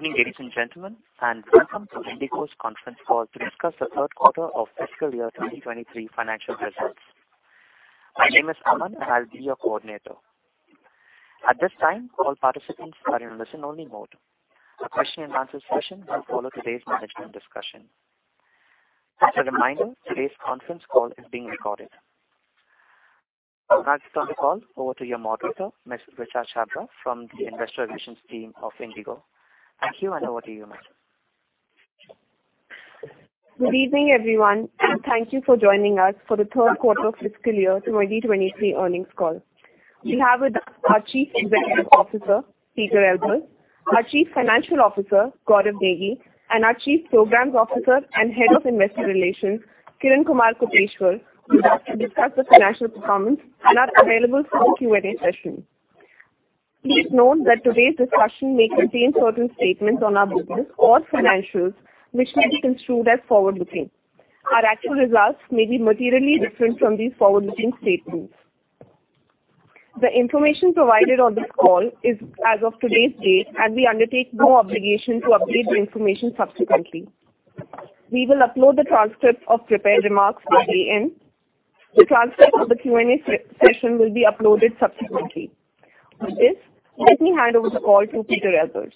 Good evening, ladies and gentlemen, welcome to IndiGo's conference call to discuss the third quarter of fiscal year 2023 financial results. My name is Aman, and I'll be your coordinator. At this time, all participants are in listen-only mode. A question-and-answer session will follow today's management discussion. Just a reminder, today's conference call is being recorded. I'll now turn the call over to your moderator, Ms. Richa Chhabra from the investor relations team of IndiGo. Thank you, over to you, ma'am. Good evening, everyone, thank you for joining us for the third quarter fiscal year 2023 earnings call. We have with us our Chief Executive Officer, Pieter Elbers, our Chief Financial Officer, Gaurav Negi, and our Chief Programs Officer and Head of Investor Relations, Kiran Kumar Koteshwar, who are here to discuss the financial performance and are available for the Q&A session. Please note that today's discussion may contain certain statements on our business or financials which may be construed as forward-looking. Our actual results may be materially different from these forward-looking statements. The information provided on this call is as of today's date, and we undertake no obligation to update the information subsequently. We will upload the transcript of prepared remarks by day end. The transcript of the Q&A session will be uploaded subsequently. With this, let me hand over the call to Pieter Elbers.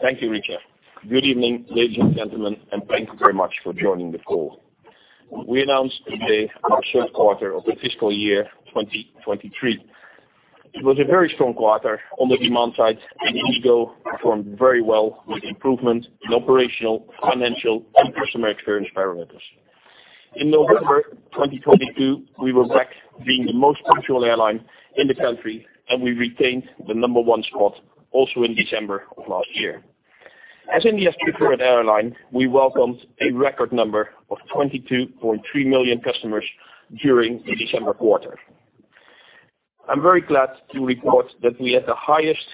Thank you, Richa. Good evening, ladies and gentlemen, and thank you very much for joining the call. We announced today our third quarter of the fiscal year 2023. It was a very strong quarter on the demand side, and IndiGo performed very well with improvement in operational, financial, and customer experience parameters. In November 2022, we were back being the most punctual airline in the country, and we retained the number one spot also in December of last year. As India's preferred airline, we welcomed a record number of 22.3 million customers during the December quarter. I'm very glad to report that we had the highest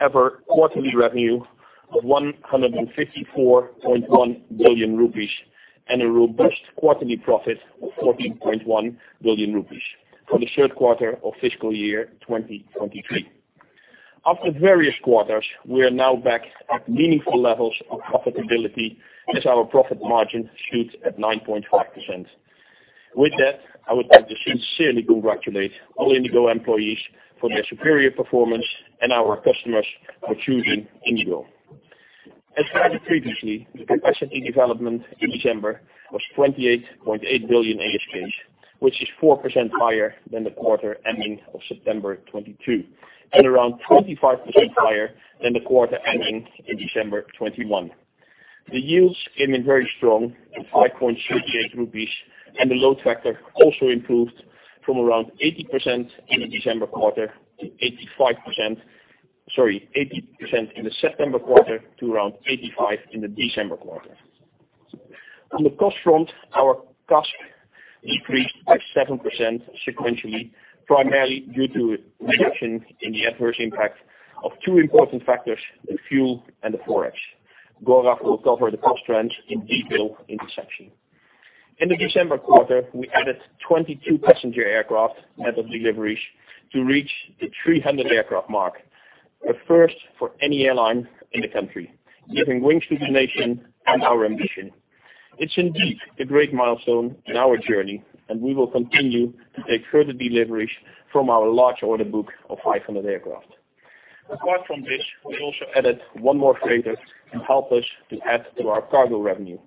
ever quarterly revenue of 154.1 billion rupees and a robust quarterly profit of 14.1 billion rupees for the third quarter of fiscal year 2023. After various quarters, we are now back at meaningful levels of profitability as our profit margin shoots at 9.5%. I would like to sincerely congratulate all IndiGo employees for their superior performance and our customers for choosing IndiGo. The capacity development in December was 28.8 billion ASKs, which is 4% higher than the quarter ending of September 2022 and around 25% higher than the quarter ending in December 2021. The yields came in very strong at INR 5.38, the load factor also improved from around 80% in the December quarter to 85%... Sorry, 80% in the September quarter to around 85% in the December quarter. On the cost front, our CASK decreased by 7% sequentially, primarily due to a reduction in the adverse impact of two important factors, the fuel and the ForEx. Gaurav will cover the cost trends in detail in his section. In the December quarter, we added 22 passenger aircraft as of deliveries to reach the 300 aircraft mark, a first for any airline in the country, giving wings to the nation and our ambition. It's indeed a great milestone in our journey, and we will continue to take further deliveries from our large order book of 500 aircraft. Apart from this, we also added one more freighter to help us to add to our cargo revenue.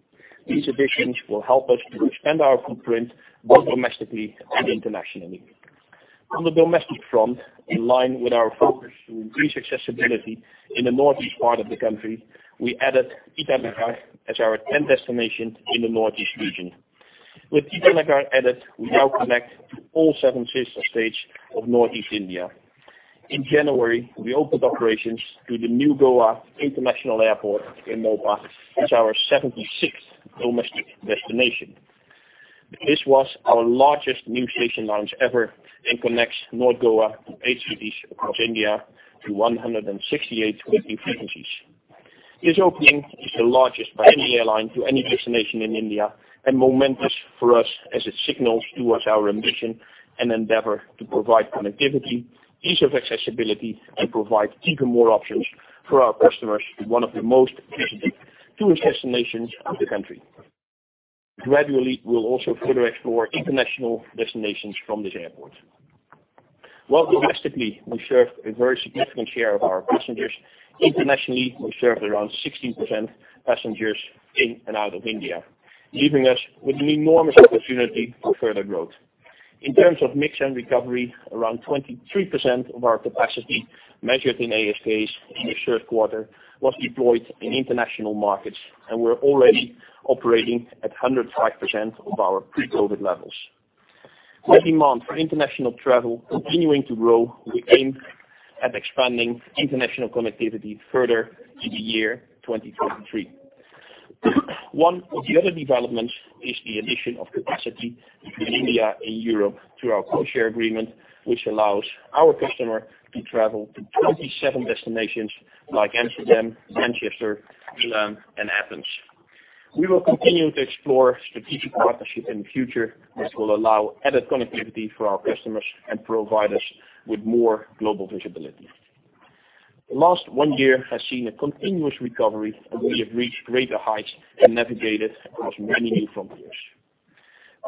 These additions will help us to expand our footprint both domestically and internationally. On the domestic front, in line with our focus to increase accessibility in the Northeast part of the country, we added Itanagar as our 10th destination in the Northeast region. With Itanagar added, we now connect to all seven sister states of Northeast India. In January, we opened operations to the new Goa International Airport in Mopa as our 76th domestic destination. This was our largest new station launch ever and connects North Goa to eight cities across India to 168 weekly frequencies. This opening is the largest by any airline to any destination in India and momentous for us as it signals towards our ambition and endeavor to provide connectivity, ease of accessibility, and provide even more options for our customers to one of the most visited tourist destinations of the country. Gradually, we'll also further explore international destinations from this airport. While domestically we serve a very significant share of our passengers, internationally we serve around 16% passengers in and out of India, leaving us with an enormous opportunity for further growth In terms of mix and recovery, around 23% of our capacity measured in ASKs in the third quarter was deployed in international markets. We're already operating at 105% of our pre-COVID levels. With demand for international travel continuing to grow, we aim at expanding international connectivity further in the year 2023. One of the other developments is the addition of capacity between India and Europe through our codeshare agreement, which allows our customer to travel to 27 destinations like Amsterdam, Manchester, Milan, and Athens. We will continue to explore strategic partnerships in the future which will allow added connectivity for our customers and provide us with more global visibility. The last one year has seen a continuous recovery, and we have reached greater heights and navigated across many new frontiers.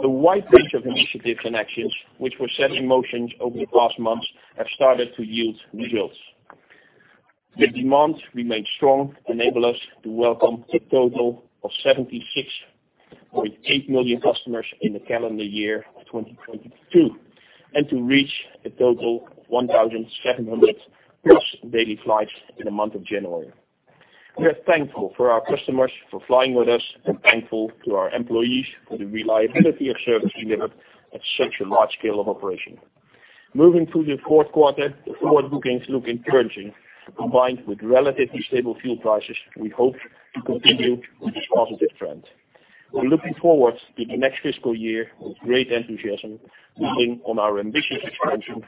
The wide range of initiatives and actions which were set in motion over the past months have started to yield results. The demand remained strong, enable us to welcome a total of 76.8 million customers in the calendar year of 2022, and to reach a total of 1,700+ daily flights in the month of January. We are thankful for our customers for flying with us and thankful to our employees for the reliability of service delivered at such a large scale of operation. Moving to the fourth quarter, the forward bookings look encouraging. Combined with relatively stable fuel prices, we hope to continue with this positive trend. We're looking forward to the next fiscal year with great enthusiasm, building on our ambitious expansion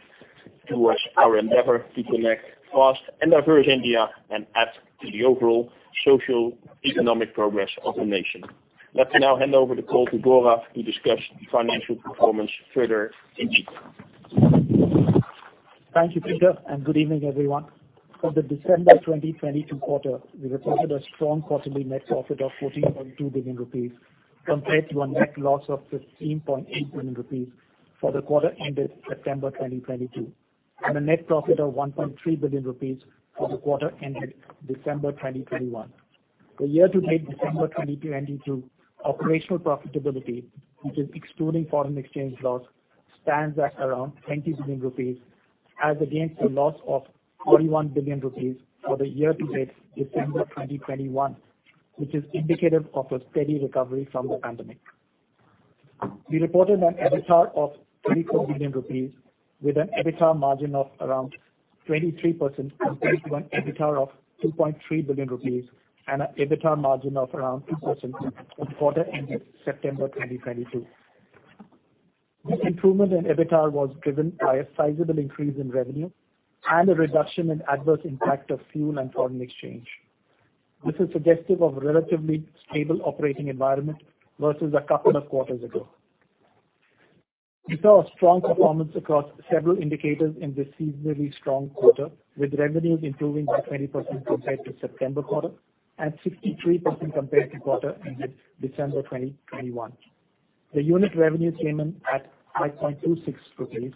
towards our endeavor to connect vast and diverse India and add to the overall social economic progress of the nation. Let me now hand over the call to Gaurav to discuss the financial performance further in detail. Thank you, Pieter, and good evening, everyone. For the December 2022 quarter, we reported a strong quarterly net profit of 14.2 billion rupees compared to a net loss of 15.8 billion rupees for the quarter ended September 2022, and a net profit of 1.3 billion rupees for the quarter ended December 2021. The year-to-date December 2022 operational profitability, which is excluding foreign exchange loss, stands at around 20 billion rupees as against a loss of 41 billion rupees for the year-to-date December 2021, which is indicative of a steady recovery from the pandemic. We reported an EBITDA of 3.0 billion rupees with an EBITDA margin of around 23% compared to an EBITDA of 2.3 billion rupees and an EBITDA margin of around 2% for the quarter ended September 2022. This improvement in EBITDA was driven by a sizable increase in revenue and a reduction in adverse impact of fuel and foreign exchange. This is suggestive of relatively stable operating environment versus a couple of quarters ago. We saw a strong performance across several indicators in this seasonally strong quarter, with revenues improving by 20% compared to September quarter and 63% compared to quarter ended December 2021. The unit revenue came in at 5.26 rupees,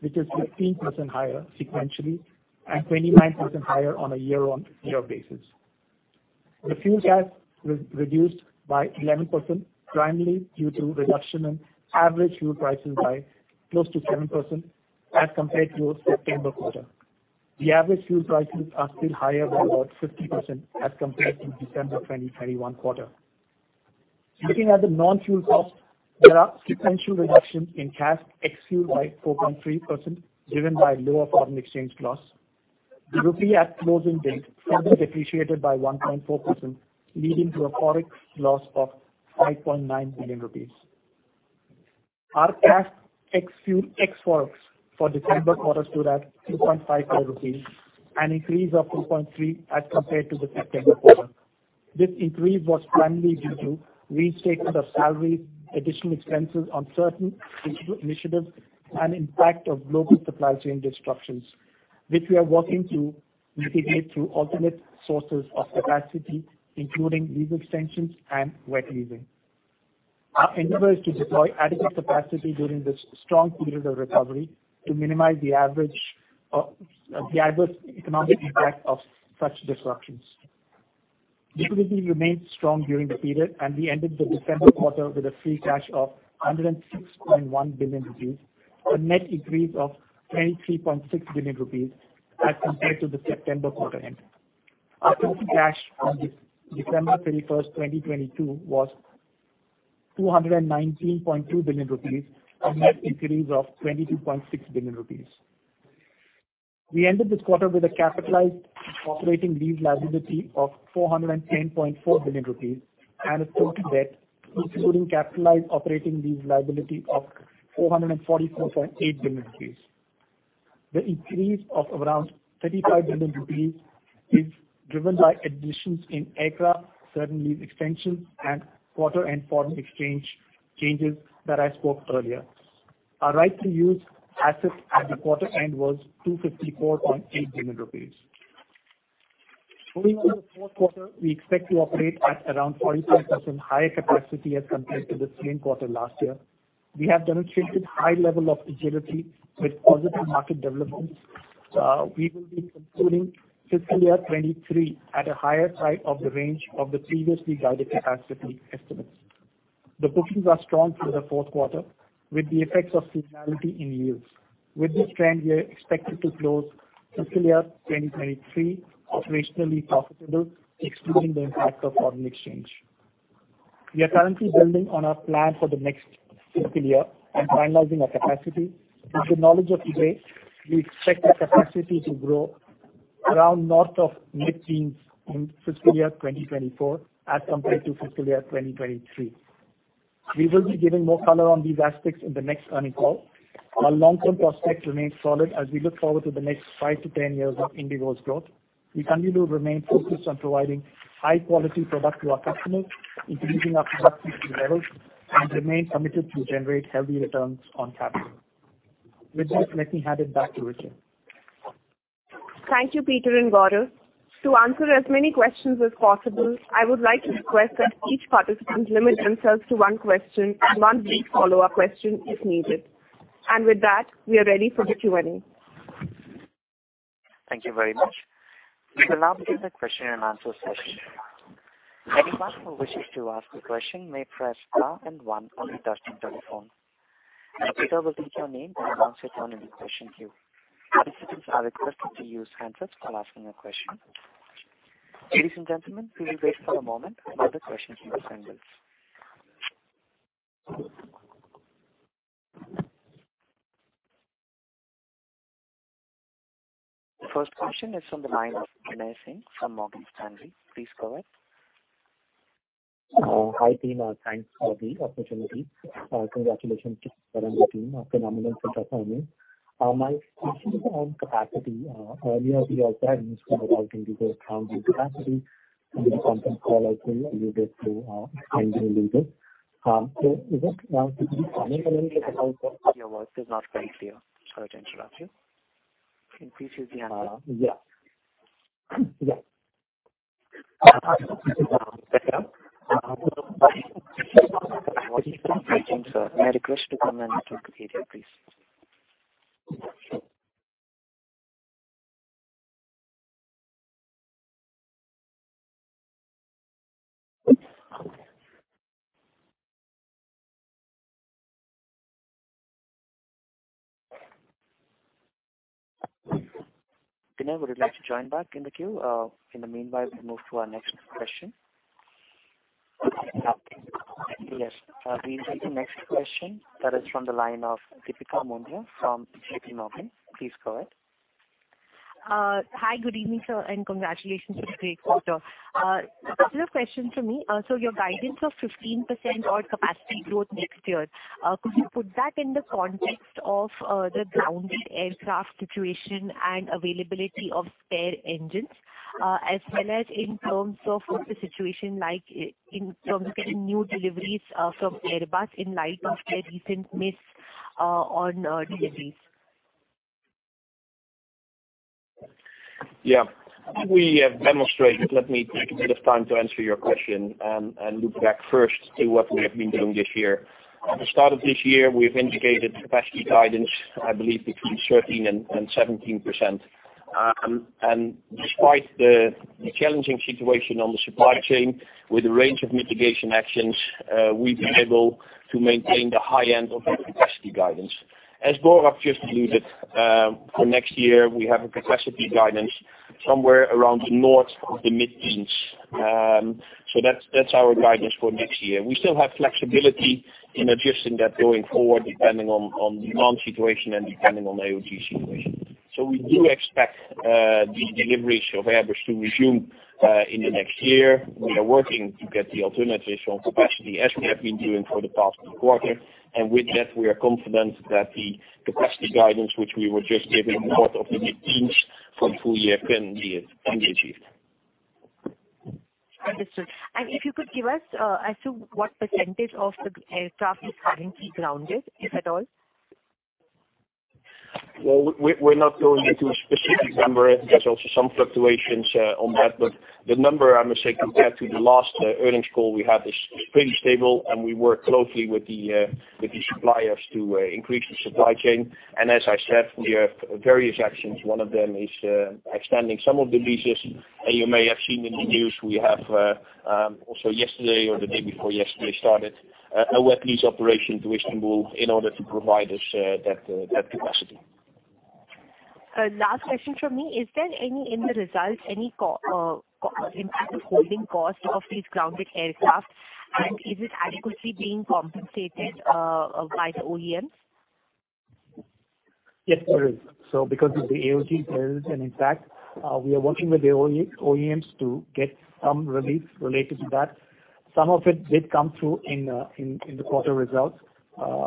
which is 15% higher sequentially and 29% higher on a year-on-year basis. The fuel gap re-reduced by 11%, primarily due to reduction in average fuel prices by close to 7% as compared to September quarter. The average fuel prices are still higher by about 50% as compared to December 2021 quarter. Looking at the non-fuel cost, there are sequential reduction in CASK ex-fuel by 4.3%, driven by lower foreign exchange loss. The rupee at closing date further depreciated by 1.4%, leading to a ForEx loss of 5.9 billion rupees. Our CASK ex-fuel, ex-ForEx for December quarter stood at 2.55 rupees, an increase of 2.3% as compared to the September quarter. This increase was primarily due to restatement of salaries, additional expenses on certain initiatives and impact of global supply chain disruptions, which we are working to mitigate through alternate sources of capacity, including lease extensions and wet leasing. Our endeavor is to deploy adequate capacity during this strong period of recovery to minimize the adverse economic impact of such disruptions. Liquidity remained strong during the period. We ended the December quarter with a Free Cash of 106.1 billion rupees, a net increase of 23.6 billion rupees as compared to the September quarter end. Our Free Cash on December 31, 2022 was 219.2 billion rupees, a net increase of 22.6 billion rupees. We ended this quarter with a Capitalized Operating Lease Liability of 410.4 billion rupees and a total debt, including Capitalized Operating Lease Liability, of 444.8 billion rupees. The increase of around 35 billion rupees is driven by additions in aircraft, certain lease extensions and quarter-end foreign exchange changes that I spoke earlier. Our right of use assets at the quarter end was 254.8 billion rupees. Going into the fourth quarter, we expect to operate at around 45% higher capacity as compared to the same quarter last year. We will be concluding fiscal year 2023 at a higher side of the range of the previously guided capacity estimates. The bookings are strong through the fourth quarter with the effects of seasonality in yields. With this trend, we are expected to close fiscal year 2023 operationally profitable, excluding the impact of foreign exchange. We are currently building on our plan for the next fiscal year and finalizing our capacity. With the knowledge of today, we expect the capacity to grow around north of mid-teens in fiscal year 2024 as compared to fiscal year 2023. We will be giving more color on these aspects in the next earning call. Our long-term prospects remain solid as we look forward to the next five to ten years of IndiGo's growth. We continue to remain focused on providing high quality product to our customers, increasing our productivity levels, and remain committed to generate healthy returns on capital. With this, let me hand it back to Richa. Thank you, Pieter and Gaurav. To answer as many questions as possible, I would like to request that each participant limit themselves to one question and one brief follow-up question if needed. With that, we are ready for the Q&A. Thank you very much. We will now begin the question and answer session. Anyone who wishes to ask a question may press star and one on your touch-tone telephone. Our operator will take your name and announce it on in the question queue. Participants are requested to use handsets while asking a question. Ladies and gentlemen, please wait for a moment while the questions are assembled. The first question is on the line of Binay Singh from Morgan Stanley. Please go ahead. Hi team. Thanks for the opportunity. Congratulations to Gaurav and the team, a phenomenal set of earnings. My question is on capacity. Earlier we also had news coming out in regard to capacity. In the conference call also you referred to managing leases. Is it possible to comment a little bit about? Your voice is not very clear. Sorry to interrupt you. Please use the hand. Yeah. Is that better? I think so. May I request you to come in a little clearer, please? Binay, would you like to join back in the queue? In the meanwhile, we move to our next question. Yes. We will take the next question that is from the line of Deepika Mundra from J.P. Morgan. Please go ahead. Hi, good evening, sir, and congratulations on a great quarter. A couple of questions from me. Your guidance of 15% odd capacity growth next year, could you put that in the context of the grounded aircraft situation and availability of spare engines, as well as in terms of what the situation like in terms of getting new deliveries, from Airbus in light of their recent miss on deliveries? Yeah. We have demonstrated. Let me take a bit of time to answer your question and look back first to what we have been doing this year. At the start of this year, we've indicated capacity guidance, I believe between 13 and 17%. Despite the challenging situation on the supply chain, with a range of mitigation actions, we've been able to maintain the high end of our capacity guidance. As Gaurav just alluded, for next year, we have a capacity guidance somewhere around the north of the mid-teens. That's, that's our guidance for next year. We still have flexibility in adjusting that going forward, depending on demand situation and depending on AOG situation. We do expect the deliveries of Airbus to resume in the next year. We are working to get the alternatives on capacity as we have been doing for the past two quarters. With that, we are confident that the capacity guidance which we were just giving, north of the mid-teens for full year can be achieved. Understood. If you could give us, as to what percentage of the aircraft is currently grounded, if at all? Well, we're not going into a specific number. There's also some fluctuations on that. The number, I must say, compared to the last earnings call we had is pretty stable, and we work closely with the suppliers to increase the supply chain. As I said, we have various actions. One of them is extending some of the leases. You may have seen in the news we have also yesterday or the day before yesterday, started a wet lease operation to Istanbul in order to provide us that capacity. Last question from me. Is there any, in the results, any co- impact of holding cost of these grounded aircraft? Is it adequately being compensated by the OEMs? There is. Because of the AOG there is an impact, we are working with the OEMs to get some relief related to that. Some of it did come through in the quarter results,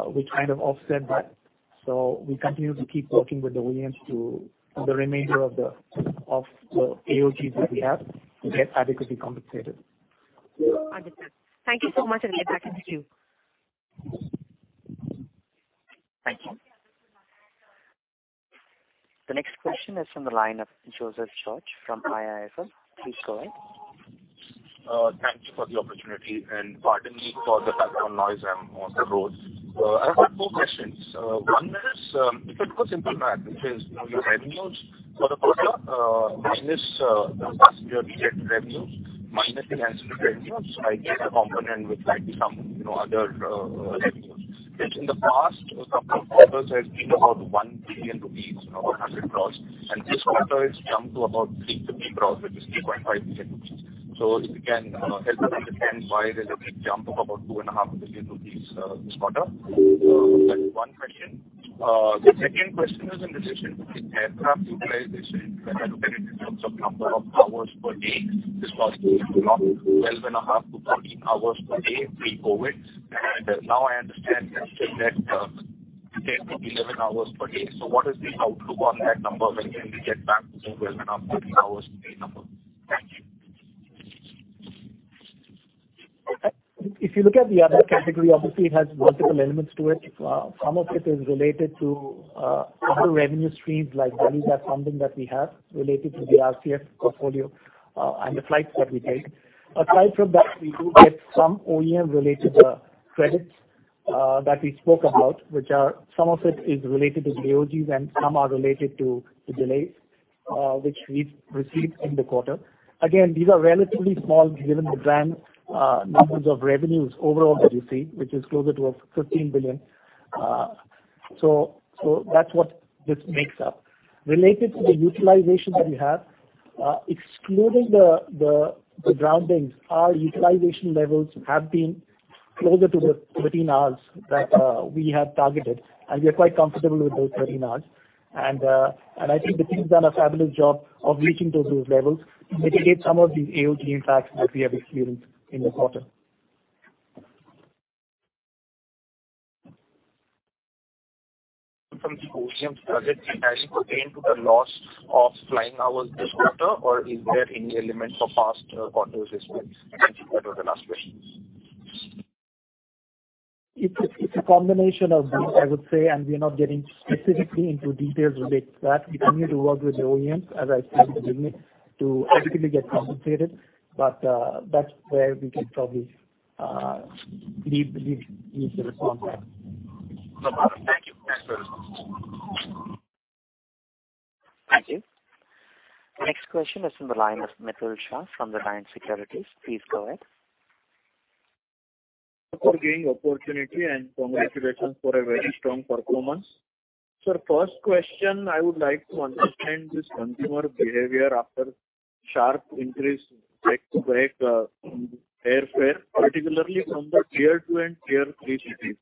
which kind of offset that. We continue to keep working with the OEMs to the remainder of the AOGs that we have to get adequately compensated. Understood. Thank you so much. I'll get back in the queue. Thank you. The next question is from the line of Joseph George from IIFL. Please go ahead. Thank you for the opportunity, and pardon me for the background noise. I'm on the road. I have two questions. One is, if it was simple math, which is, you know, your revenues for the quarter, minus the passenger related revenues minusing ancillary revenues, I get a component with like some, you know, other revenues, which in the past for some quarters has been about 1 billion rupees, you know, or 100 crores. This quarter it's jumped to about 350 crores, which is 3.5 billion rupees. If you can, help us understand why there's a big jump of about 2.5 billion rupees, this quarter. That's one. The second question is in relation to the aircraft utilization when you look at it in terms of number of hours per day. This was not 12 and a half to 14 hours per day pre-COVID. now I understand that it's 10 to 11 hours per day. what is the outlook on that number? When can we get back to the twelve and a half to 13 hours per day number? Thank you. If you look at the other category, obviously it has multiple elements to it. Some of it is related to other revenue streams like value add funding that we have related to the RCF portfolio and the flights that we take. Aside from that, we do get some OEM related credits that we spoke about, which are some of it is related to AOGs and some are related to delays which we've received in the quarter. Again, these are relatively small given the grand numbers of revenues overall that you see, which is closer to 15 billion. That's what this makes up. Related to the utilization that we have, excluding the groundings, our utilization levels have been closer to 13 hours that we had targeted, and we are quite comfortable with those 13 hours. I think the team's done a fabulous job of reaching to those levels to mitigate some of the AOG impacts that we have experienced in the quarter. From the OEM project, is that contained to the loss of flying hours this quarter, or is there any element of past quarters as well? Thank you. That was the last question. It's a combination of both, I would say, we are not getting specifically into details related to that. We continue to work with the OEMs, as I said at the beginning, to effectively get compensated, that's where we can probably leave the response at. No problem. Thank you. Thanks very much. Thank you. Next question is from the line of Mihir Shah from the Reliance Securities. Please go ahead. For giving opportunity and congratulations for a very strong performance. First question, I would like to understand this consumer behavior after sharp increase back to back, airfare, particularly from the Tier 2 and Tier 3 cities.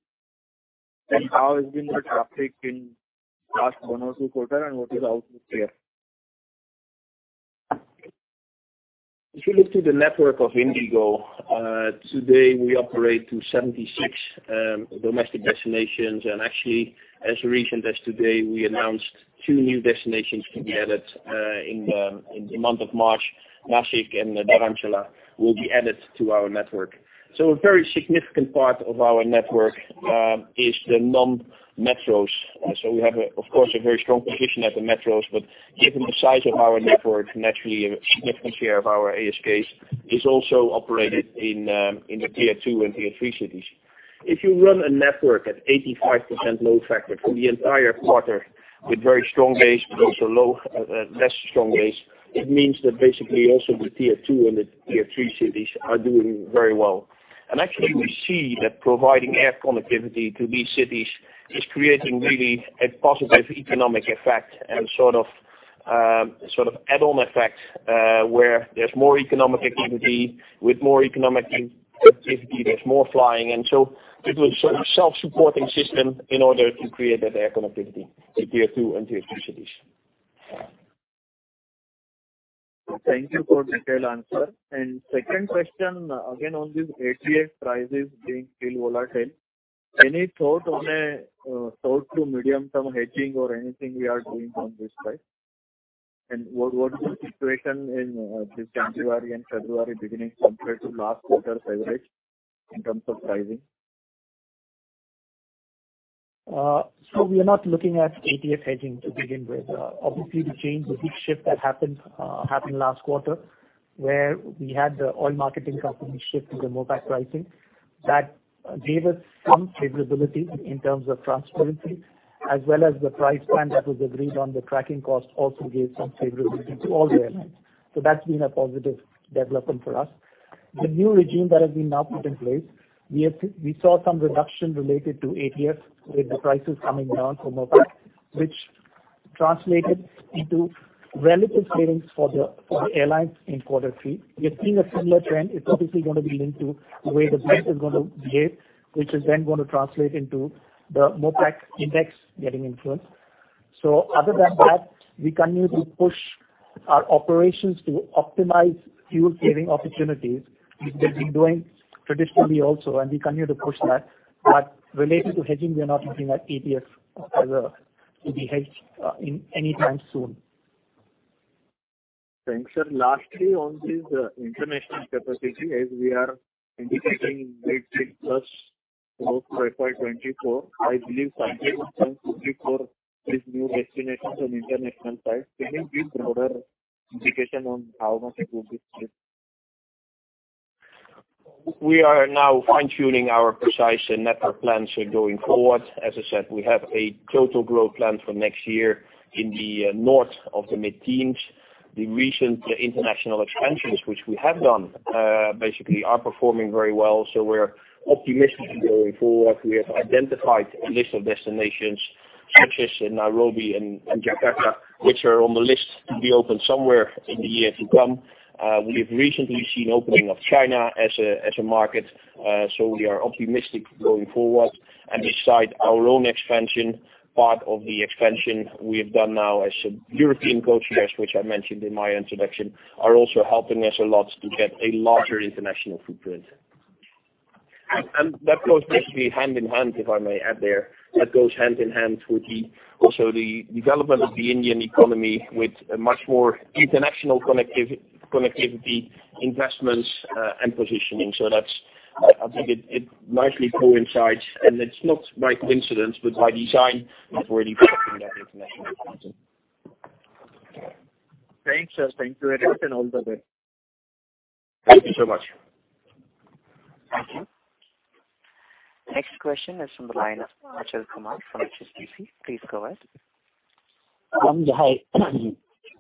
How has been the traffic in last one or two quarter, and what is the outlook there? If you look to the network of IndiGo, today we operate to 76 domestic destinations. Actually, as recent as today, we announced two new destinations to be added in the month of March. Nashik and Dharamshala will be added to our network. A very significant part of our network is the non-metros. We have, of course, a very strong position at the metros, but given the size of our network, naturally a significant share of our ASKs is also operated in the Tier 2 and Tier 3 cities. If you run a network at 85% load factor for the entire quarter with very strong base, but also low, less strong base, it means that basically also the Tier 2 and Tier 3 cities are doing very well. Actually, we see that providing air connectivity to these cities is creating really a positive economic effect and sort of add-on effect, where there's more economic activity. With more economic activity, there's more flying. It was a self-supporting system in order to create that air connectivity to Tier 2 and Tier 3 cities. Thank you for detailed answer. Second question, again, on this ATF prices being still volatile. Any thought on short to medium-term hedging or anything we are doing on this price? What's the situation in this January and February beginning compared to last quarter's average in terms of pricing? We are not looking at ATF hedging to begin with. Obviously the change, the big shift that happened last quarter, where we had the oil marketing company shift to the MOPAG pricing. That gave us some favorability in terms of transparency, as well as the price plan that was agreed on the tracking cost also gave some favorability to all the airlines. That's been a positive development for us. The new regime that has been now put in place, we saw some reduction related to ATF with the prices coming down from MOPAG, which translated into relative savings for the airlines in quarter three. We are seeing a similar trend. It's obviously going to be linked to the way the price is going to behave, which is then going to translate into the MOPAG index getting influenced. Other than that, we continue to push our operations to optimize fuel saving opportunities, which we've been doing traditionally also, and we continue to push that. Related to hedging, we are not looking at ATF as a, to be hedged, in any time soon. Thanks, sir. Lastly, on this international capacity, as we are indicating 8%+ growth for FY 2024, I believe 70% would be for these new destinations on the international side. Can you give broader indication on how much it would be? We are now fine-tuning our precise network plans going forward. As I said, we have a total growth plan for next year in the north of the mid-teens. The recent international expansions which we have done, basically are performing very well. We're optimistic going forward. We have identified a list of destinations such as in Nairobi and Jakarta, which are on the list to be open somewhere in the year to come. We have recently seen opening of China as a market, we are optimistic going forward. Beside our own expansion, part of the expansion we have done now as a European codeshares, which I mentioned in my introduction, are also helping us a lot to get a larger international footprint. That goes basically hand in hand, if I may add there, that goes hand in hand with the also the development of the Indian economy with a much more international connectivity, investments, and positioning. That's, I think it nicely coincides, and it's not by coincidence, but by design of really shaping that international content. Thanks, sir. Thank you very much and all the best. Thank you so much. Thank you. Next question is from the line of Achal Kumar from HSBC. Please go ahead. Hi.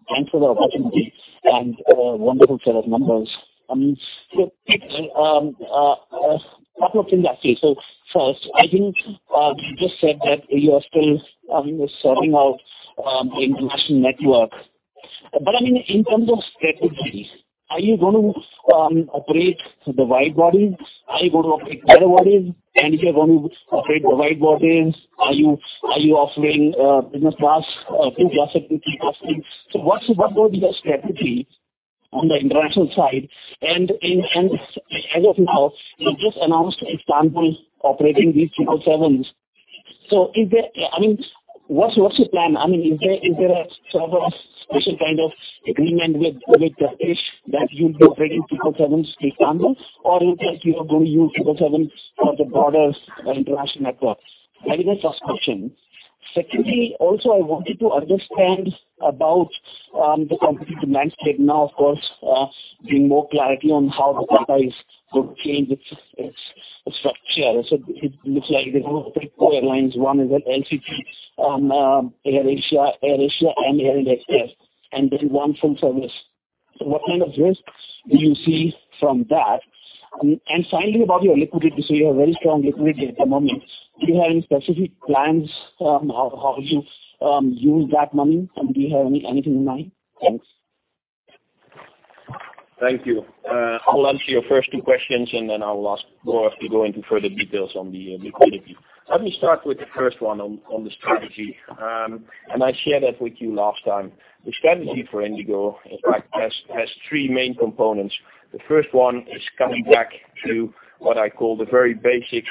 Thanks for the opportunity and wonderful set of numbers. Quickly, a couple of things actually. First, I think you just said that you are still sorting out the international network. In terms of strategies, are you going to operate the wide bodies? Are you going to operate narrow bodies? If you are going to operate the wide bodies, are you offering business class, two class or three class seats? What's, what would be the strategy on the international side? As of now, you just announced Istanbul operating these 777s. What's, what's your plan? Is there a sort of a special kind of agreement with Turkish that you'll be operating 777s to Istanbul? In fact, you are going to use 777s for the broader international network? That is the first question. Secondly, also I wanted to understand about the competitive landscape now, of course, being more clarity on how the price could change its structure. It looks like there are three core airlines. 1 is LCC, AirAsia, and Air India Express, and then one full service. What kind of risks do you see from that? Finally, about your liquidity. You have very strong liquidity at the moment. Do you have any specific plans on how you use that money? Do you have anything in mind? Thanks. Thank you. I'll answer your first two questions, and then I'll ask Gaurav to go into further details on the liquidity. Let me start with the first one on the strategy. I shared that with you last time. The strategy for IndiGo, in fact, has three main components. The first one is coming back to what I call the very basic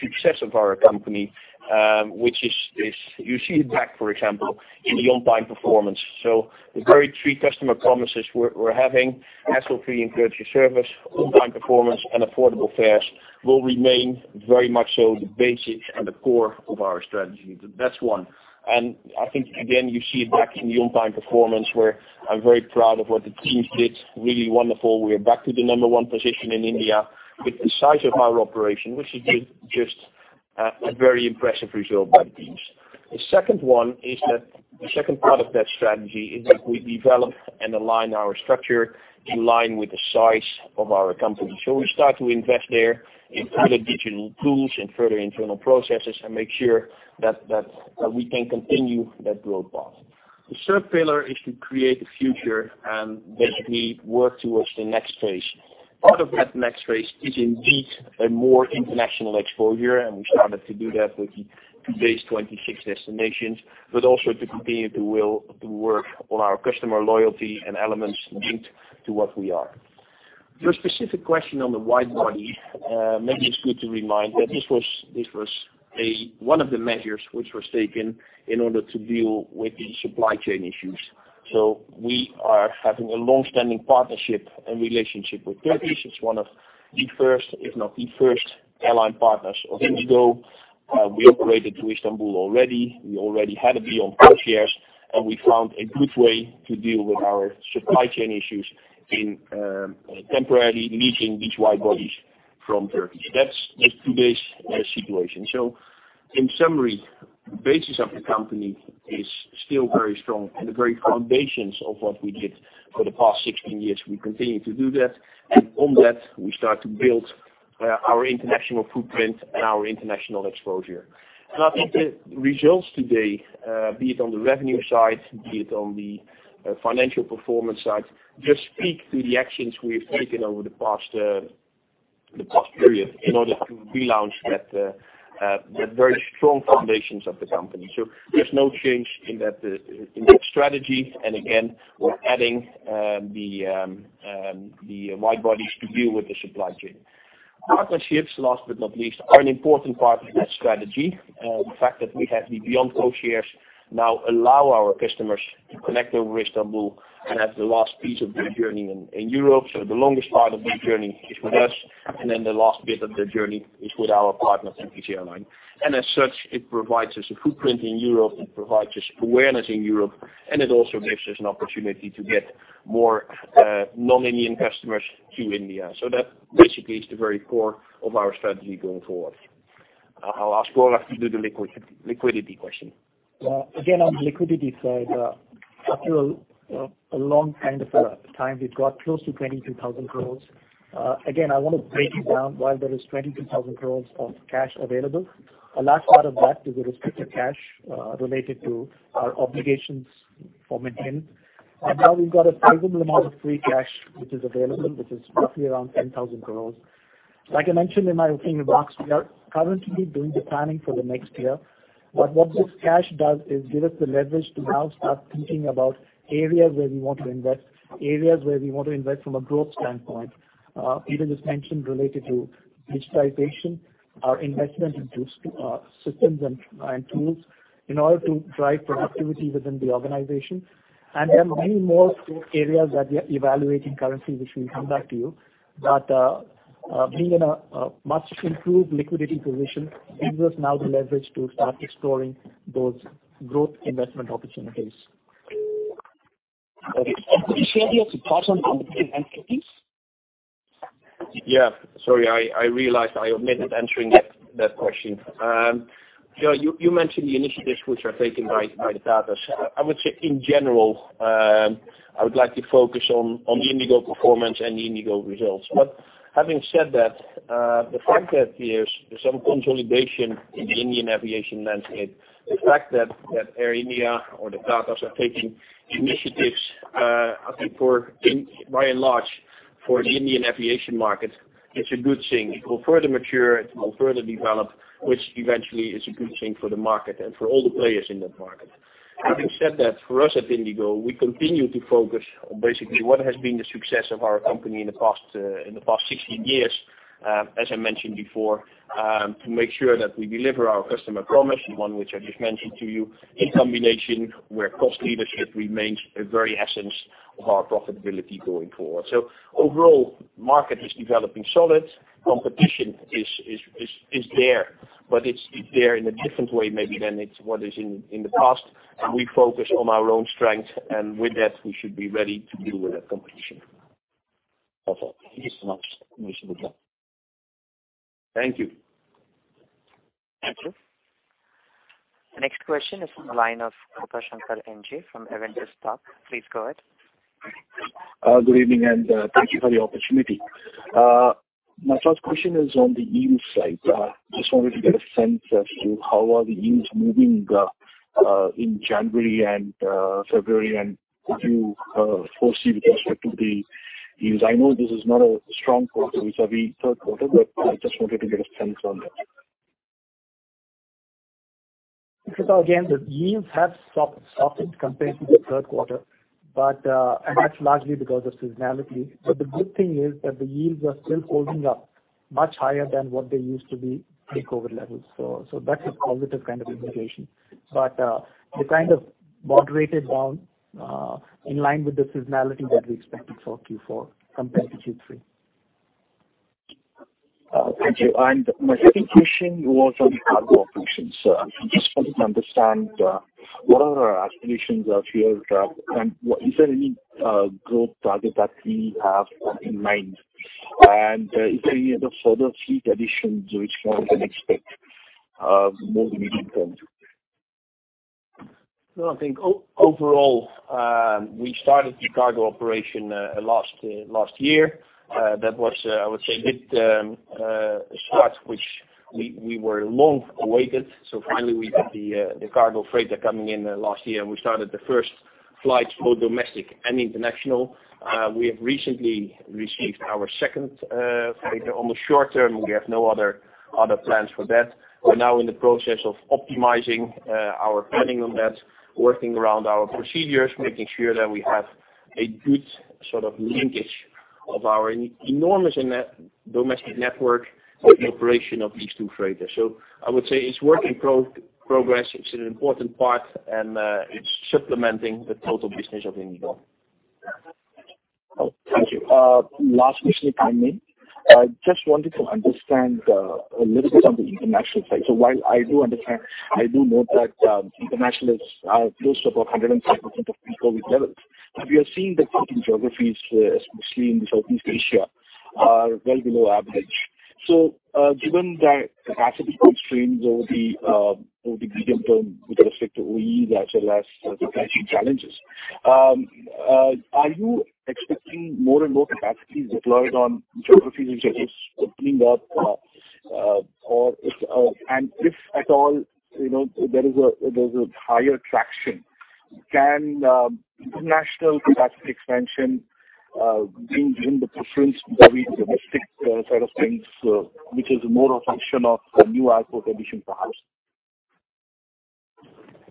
success of our company, which is you see it back, for example, in the on-time performance. The very three customer promises we're having, hassle-free and courtesy service, on-time performance, and affordable fares, will remain very much so the basics and the core of our strategy. That's one. I think again, you see it back in the on-time performance where I'm very proud of what the teams did, really wonderful. We are back to the number one position in India with the size of our operation, which is just a very impressive result by the teams. The second one the second part of that strategy is that we develop and align our structure in line with the size of our company. We start to invest there in further digital tools and further internal processes and make sure that we can continue that growth path. The third pillar is to create a future. Basically work towards the next phase. Part of that next phase is indeed a more international exposure, and we started to do that with today's 26 destinations, but also to continue to will the work on our customer loyalty and elements linked to what we are. Your specific question on the wide-body, maybe it's good to remind that this was one of the measures which was taken in order to deal with the supply chain issues. We are having a long-standing partnership and relationship with Turkish. It's one of the first, if not the first airline partners of IndiGo. We operated to Istanbul already. We already had a beyond codeshares, and we found a good way to deal with our supply chain issues in temporarily leasing these wide-bodies from Turkish. That's today's situation. In summary, the basis of the company is still very strong, and the very foundations of what we did for the past 16 years, we continue to do that. On that, we start to build our international footprint and our international exposure. I think the results today, be it on the revenue side, be it on the financial performance side, just speak to the actions we have taken over the past period in order to relaunch that very strong foundations of the company. There's no change in that in that strategy. Again, we're adding the wide bodies to deal with the supply chain. Partnerships, last but not least, are an important part of that strategy. The fact that we have the beyond codeshares now allow our customers to connect over Istanbul and have the last piece of their journey in Europe. The longest part of their journey is with us, and then the last bit of their journey is with our partners, TP Airline. As such, it provides us a footprint in Europe, it provides us awareness in Europe, and it also gives us an opportunity to get more non-Indian customers to India. That basically is the very core of our strategy going forward. I'll ask Gaurav to do the liquidity question. Again, on the liquidity side. After a long kind of a time, we've got close to 22,000 crore. Again, I want to break it down while there is 22,000 crore of cash available. A large part of that is a restricted cash related to our obligations for maintenance. Now we've got a reasonable amount of Free Cash which is available, which is roughly around 10,000 crore. Like I mentioned in my opening remarks, we are currently doing the planning for the next year. What this cash does is give us the leverage to now start thinking about areas where we want to invest, areas where we want to invest from a growth standpoint, even as mentioned related to digitization, our investment into systems and tools in order to drive productivity within the organization. There are many more areas that we are evaluating currently, which we'll come back to you. Being in a much improved liquidity position gives us now the leverage to start exploring those growth investment opportunities. Okay. Could you share your thoughts on entities? Yeah. Sorry, I realized I omitted answering that question. So, you mentioned the initiatives which are taken by Tatas. I would say in general, I would like to focus on the IndiGo performance and the IndiGo results. Having said that, the fact that there's some consolidation in the Indian aviation landscape, the fact that Air India or the Tatas are taking initiatives, I think by and large for the Indian aviation market, it's a good thing. It will further mature, it will further develop, which eventually is a good thing for the market and for all the players in that market. Having said that, for us at IndiGo, we continue to focus on basically what has been the success of our company in the past, in the past 16 years, as I mentioned before, to make sure that we deliver our customer promise, the one which I just mentioned to you, in combination where cost leadership remains a very essence of our profitability going forward. Overall, market is developing solid. Competition is there, but it's there in a different way maybe than it's what is in the past. We focus on our own strengths, and with that, we should be ready to deal with the competition. Okay. Thank you so much. Thank you. Thank you. The next question is from the line of Gopalan S. from Avendus Spark. Please go ahead. Good evening, and thank you for the opportunity. My first question is on the yield side. Just wanted to get a sense as to how are the yields moving in January and February, and what do you foresee with respect to the yields? I know this is not a strong quarter, vis-à-vis third quarter. I just wanted to get a sense on that. Again, the yields have stopped compared to the third quarter, but that's largely because of seasonality. The good thing is that the yields are still holding up much higher than what they used to be pre-COVID levels. That's a positive kind of indication. They kind of moderated down, in line with the seasonality that we expected for Q4 compared to Q3. Thank you. My second question was on cargo operations. I just wanted to understand what are our aspirations here? Is there any growth target that we have in mind? Is there any other further fleet additions which one can expect more in the medium term? I think overall, we started the cargo operation last year. That was, I would say a bit, a start which we were long awaited, finally we got the cargo freighter coming in last year, we started the first flights both domestic and international. We have recently received our second freighter. On the short term, we have no other plans for that. We're now in the process of optimizing our planning on that, working around our procedures, making sure that we have a good sort of linkage of our enormous domestic network with the operation of these two freighters. I would say it's work in progress. It's an important part, it's supplementing the total business of IndiGo. Oh, thank you. Last question, if I may. I just wanted to understand a little bit on the international side. While I do understand, I do note that international is close to about 107% of pre-COVID levels, but we are seeing that certain geographies, especially in the Southeast Asia, are well below average. Given that capacity constraints over the medium term with respect to OEs as well as the capacity challenges, are you expecting more and more capacity deployed on geographies which are just opening up, or if and if at all, you know, there is a higher traction, can international capacity expansion gain the preference over the domestic side of things, which is more a function of new output addition perhaps?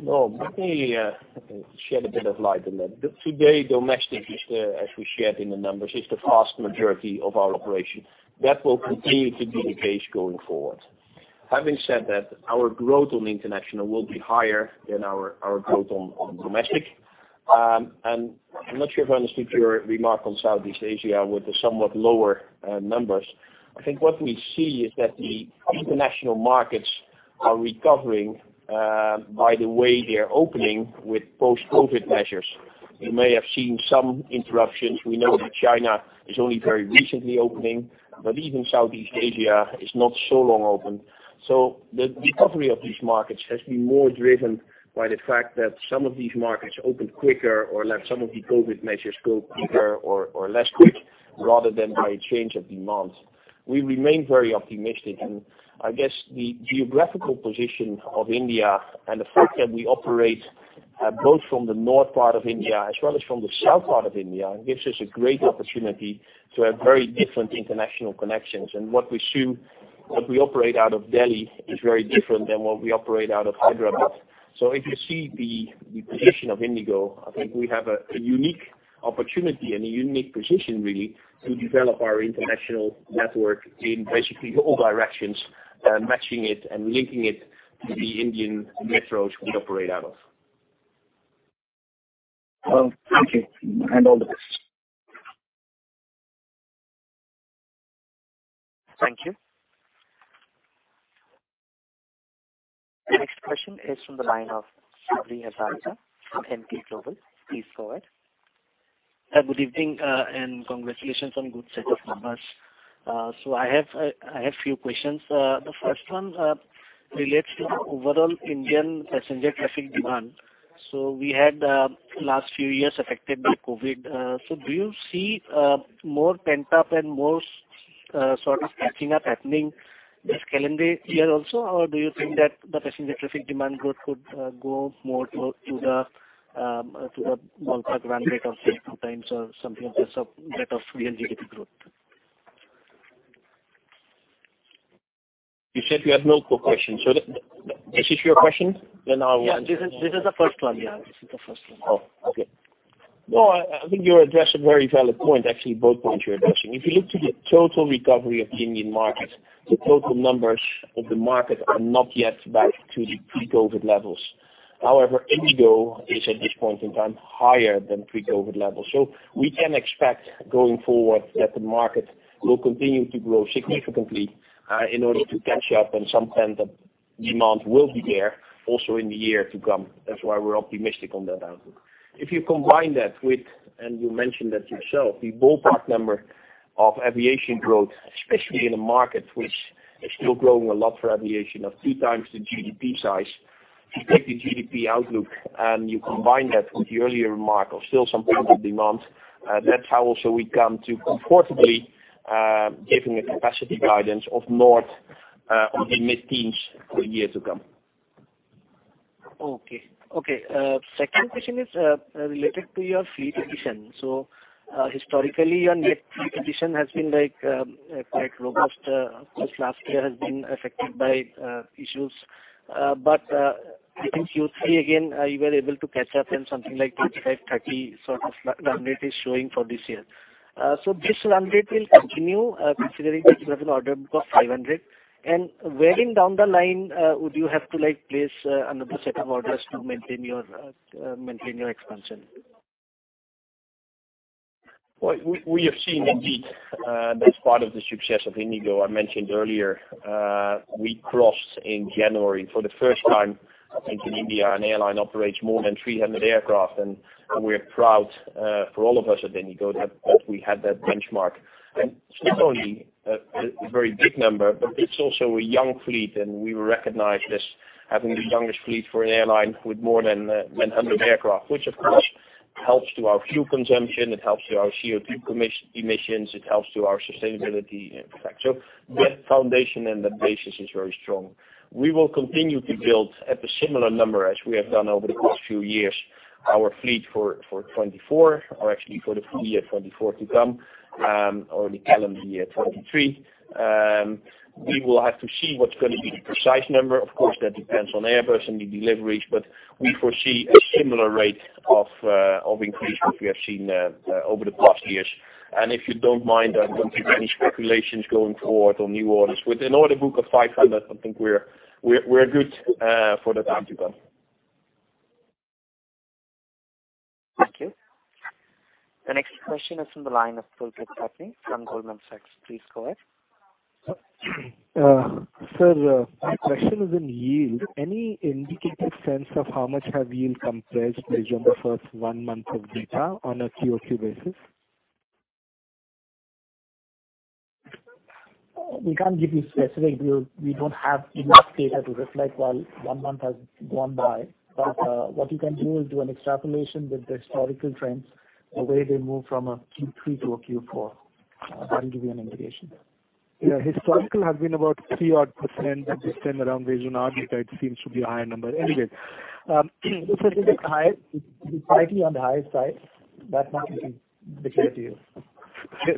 No. Let me, I think, shed a bit of light on that. Today, domestic is the, as we shared in the numbers, is the vast majority of our operation. That will continue to be the case going forward. Having said that, our growth on international will be higher than our growth on domestic. I'm not sure if I understood your remark on Southeast Asia with the somewhat lower numbers. I think what we see is that the international markets are recovering, by the way they are opening with post-COVID measures. You may have seen some interruptions. We know that China is only very recently opening, even Southeast Asia is not so long open. The recovery of these markets has been more driven by the fact that some of these markets opened quicker or let some of the COVID measures go quicker or less quick rather than by a change of demand. We remain very optimistic, and I guess the geographical position of India and the fact that we operate, both from the north part of India as well as from the south part of India, gives us a great opportunity to have very different international connections. What we see, what we operate out of Delhi is very different than what we operate out of Hyderabad. If you see the position of IndiGo, I think we have a unique opportunity and a unique position really to develop our international network in basically all directions, matching it and linking it to the Indian metros we operate out of. Well, thank you, and all the best. Thank you. The next question is from the line of Chirag Shah from Emkay Global. Please go ahead. Good evening, congratulations on good set of numbers. I have few questions. The first one relates to the overall Indian passenger traffic demand. We had last few years affected by COVID. Do you see more pent-up and more sort of catching up happening this calendar year also? Do you think that the passenger traffic demand growth could go more to the ballpark run rate of two times or something just of rate of real GDP growth? You said you had multiple questions. This is your question. Yeah, this is the first one. Yeah. This is the first one. Oh, okay. No, I think you address a very valid point, actually both points you're addressing. If you look to the total recovery of the Indian market, the total numbers of the market are not yet back to the pre-COVID levels. IndiGo is at this point in time, higher than pre-COVID levels. We can expect going forward that the market will continue to grow significantly in order to catch up, and some pent-up demand will be there also in the year to come. That's why we're optimistic on that outlook. You combine that with, and you mentioned that yourself, the ballpark number of aviation growth, especially in a market which is still growing a lot for aviation of 2 times the GDP size. If you take the GDP outlook, and you combine that with the earlier remark of still some pent-up demand, that's how also we come to comfortably giving a capacity guidance of north of the mid-teens for years to come. Okay. Okay. Second question is related to your fleet addition. Historically, your net fleet addition has been like quite robust. Just last year has been affected by issues. I think Q3 again, you were able to catch up and something like 25, 30 sort of run rate is showing for this year. This run rate will continue, considering that you have an order book of 500, where in down the line, would you have to, like, place another set of orders to maintain your maintain your expansion? Well, we have seen indeed, that's part of the success of IndiGo. I mentioned earlier, we crossed in January. For the first time, I think, in India, an airline operates more than 300 aircraft, and we're proud, for all of us at IndiGo that we had that benchmark. It's not only a very big number, but it's also a young fleet, and we recognize this, having the youngest fleet for an airline with more than 100 aircraft. Which of course helps to our fuel consumption, it helps to our CO2 emissions, it helps to our sustainability effect. That foundation and that basis is very strong. We will continue to build at the similar number as we have done over the past few years. Our fleet for 2024, or actually for the full year 2024 to come, or the calendar year 2023, we will have to see what's gonna be the precise number. Of course, that depends on Airbus and the deliveries, we foresee a similar rate of increase which we have seen over the past years. If you don't mind, I won't give any speculations going forward on new orders. With an order book of 500, I think we're good for the time to come. Thank you. The next question is from the line of Pulkit Patni from Goldman Sachs. Please go ahead. Sir, my question is in yield. Any indicative sense of how much have yield compressed based on the first one month of data on a QOQ basis? We can't give you specific view. We don't have enough data to reflect while one month has gone by. What you can do is do an extrapolation with the historical trends, the way they move from a Q3 to a Q4. That will give you an indication. Yeah. Historical has been about 3 odd %, but this time around region article, it seems to be a higher number. If I take slightly on the higher side, that's my view, which I give to you.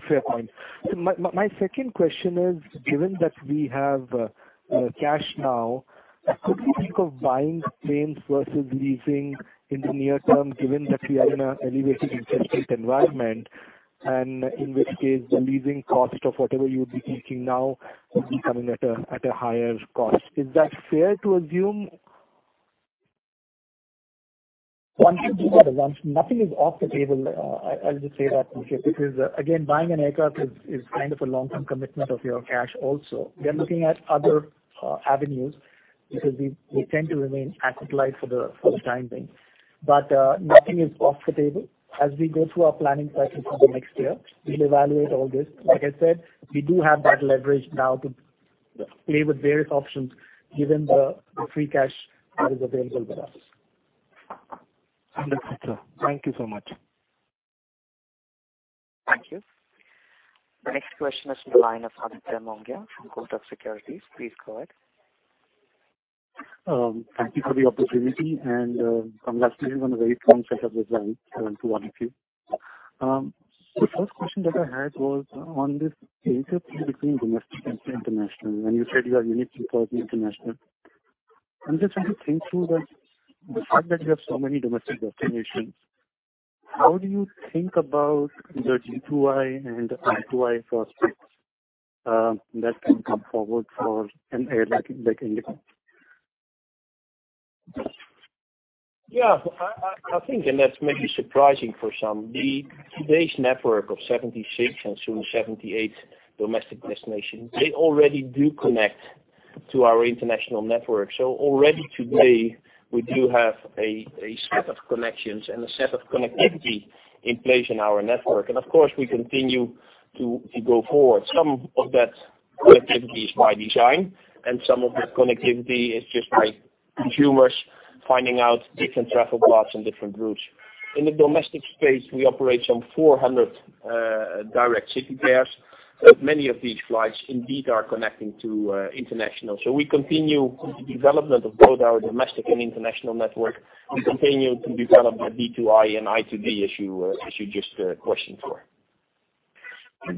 Fair point. My second question is, given that we have cash now, could we think of buying planes versus leasing in the near term, given that we are in an elevated interest rate environment, and in which case the leasing cost of whatever you would be thinking now would be coming at a higher cost. Is that fair to assume? One should do the other one. Nothing is off the table. I'll just say that, Pulkit, because, again, buying an aircraft is kind of a long-term commitment of your cash also. We are looking at other avenues because we tend to remain asset light for the time being. Nothing is off the table. As we go through our planning cycle for the next year, we'll evaluate all this. Like I said, we do have that leverage now to play with various options given the Free Cash that is available with us. Understood, sir. Thank you so much. Thank you. The next question is from the line of Aditya Mongia from Kotak Securities. Please go ahead. Thank you for the opportunity and congratulations on a very strong set of results to all of you. The first question that I had was on this interplay between domestic and international. When you said you are unique because of international, I'm just trying to think through that the fact that you have so many domestic destinations, how do you think about the D2I and I2I prospects that can come forward for an airline like IndiGo? I think, and that's maybe surprising for some, the today's network of 76 and soon 78 domestic destinations, they already do connect to our international network. Already today we do have a set of connections and a set of connectivity in place in our network. Of course, we continue to go forward. Some of that connectivity is by design, and some of that connectivity is just by consumers finding out different travel plots and different routes. In the domestic space, we operate some 400 direct city pairs. Many of these flights indeed are connecting to international. We continue the development of both our domestic and international network. We continue to develop that D2I and I2D as you as you just questioned for.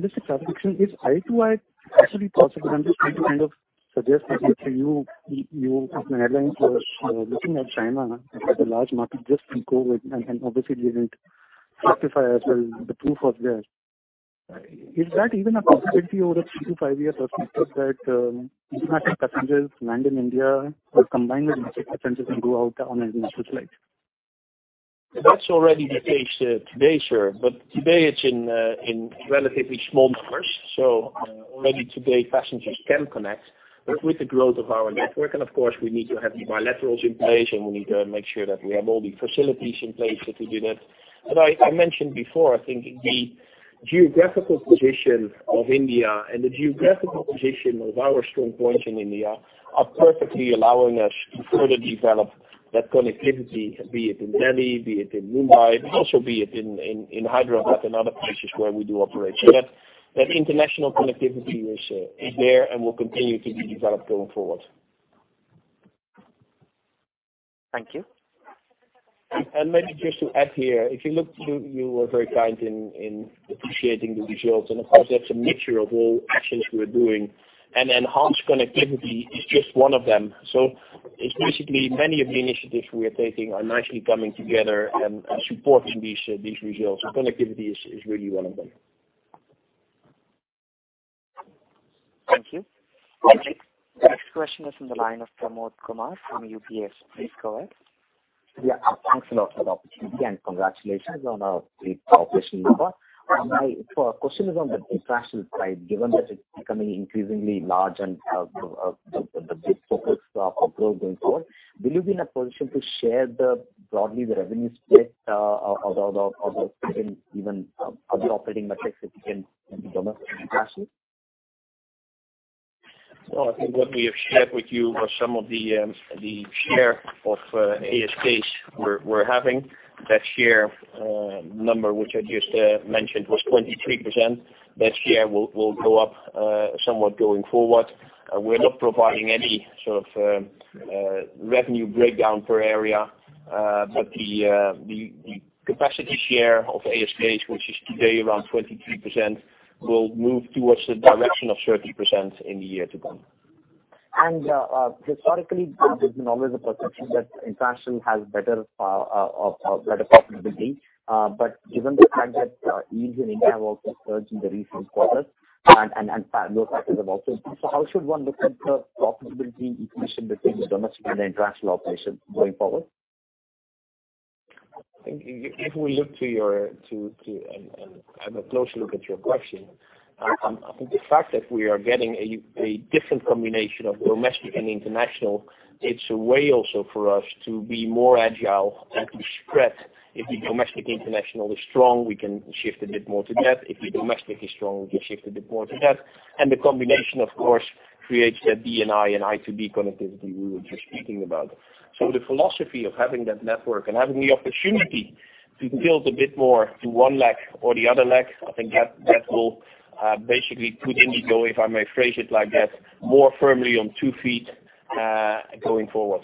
Just a clarification, is I2I actually possible? I'm just trying to kind of suggest that for you as an airline was looking at China as a large market just in COVID and obviously it didn't justify as well the proof of there. Is that even a possibility over a three to five-year perspective that international passengers land in India or combine domestic passengers and go out on international flights? That's already the case, today, sir. Today it's in relatively small numbers, so, already today passengers can connect. With the growth of our network and of course we need to have the bilaterals in place, and we need to make sure that we have all the facilities in place to do that. I mentioned before, I think the geographical position of India and the geographical position of our strong points in India are perfectly allowing us to further develop that connectivity, be it in Delhi, be it in Mumbai, also be it in Hyderabad and other places where we do operate. That international connectivity is there and will continue to be developed going forward. Thank you. Maybe just to add here. You were very kind in appreciating the results, and of course that's a mixture of all actions we are doing, and enhanced connectivity is just one of them. It's basically many of the initiatives we are taking are nicely coming together and supporting these results. Connectivity is really one of them. Thank you. Thank you. The next question is from the line of Pramod Kumar from UBS. Please go ahead. Thanks a lot for the opportunity. Congratulations on a great operation number. Our question is on the international side, given that it's becoming increasingly large and the big focus of growth going forward, will you be in a position to share the broadly the revenue split of the even of the operating metrics if you can in domestic and international? Well, I think what we have shared with you was some of the the share of ASKs we're having. That share number which I just mentioned was 23%. That share will go up somewhat going forward. We're not providing any sort of revenue breakdown per area, but the the the capacity share of ASKs, which is today around 23%, will move towards the direction of 30% in the year to come. Historically, there has been always a perception that international has better profitability. Given the fact that yields in India have also surged in the recent quarters and low fares have also increased. How should one look at the profitability equation between domestic and international operations going forward? I think if we look have a closer look at your question, I think the fact that we are getting a different combination of domestic and international, it's a way also for us to be more agile and to spread. If the domestic international is strong, we can shift a bit more to that. If the domestic is strong, we can shift a bit more to that. The combination, of course, creates that D and I and I2B connectivity we were just speaking about. The philosophy of having that network and having the opportunity to tilt a bit more to one leg or the other leg, I think that will basically put IndiGo, if I may phrase it like that, more firmly on two feet, going forward.